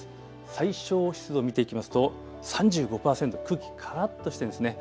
最小湿度見ていきますと３５％、空気、からっとしていますね。